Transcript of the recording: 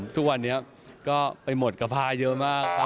ทุกวันนี้ก็ไปหมดกับผ้าเยอะมาก